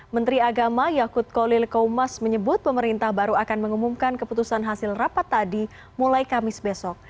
menteri agama yakut kolil kaumas menyebut pemerintah baru akan mengumumkan keputusan hasil rapat tadi mulai kamis besok